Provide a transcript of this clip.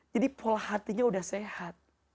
jadi pola hatinya sudah sehat